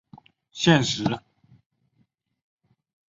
现时已经合并为首尔交通公社一部分。